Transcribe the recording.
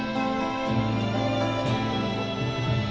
tidaklah rindu yang tak berhenti